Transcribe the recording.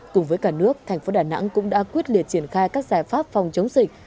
cùng với cả nước thành phố đà nẵng cũng đã quyết liệt triển khai các giải pháp phòng chống dịch